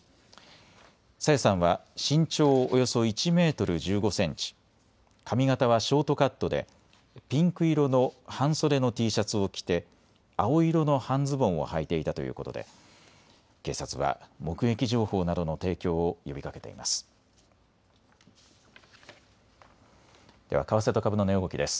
朝芽さんは身長およそ１メートル１５センチ、髪形はショートカットで、ピンク色の半袖のＴシャツを着て青色の半ズボンをはいていたということで警察は目撃情報などの提供を呼びかけています。